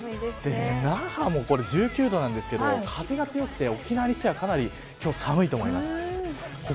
那覇も１９度なんですけど風が強くて沖縄にしてはかなり今日は寒いと思います。